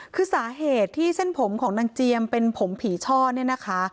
คือสาเหตุที่เส้นผมของนางเจียมเป็นผมผีช่อเนี่ยนะคะ